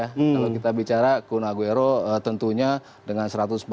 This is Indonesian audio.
kalau kita bicara kunaguero tentunya dengan satu ratus empat puluh